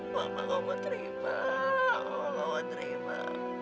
mama mama terima mama mama terima